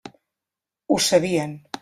Ho sabien.